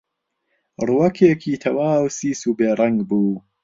ڕووەکێکی تەواو سیس و بێڕەنگ بوو